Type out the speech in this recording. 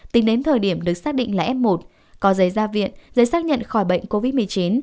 tính đến thời điểm được xác định là f một có giấy ra viện giấy xác nhận khỏi bệnh covid một mươi chín